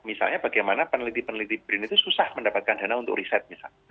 misalnya bagaimana peneliti peneliti brin itu susah mendapatkan dana untuk riset misalnya